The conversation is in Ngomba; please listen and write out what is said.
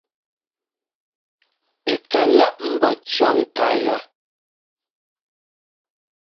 Ɛ ka láʼ ḿbó cʉ̈ŋká yá.